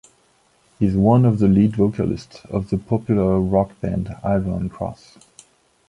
He is one of the lead vocalists of the popular rock band Iron Cross.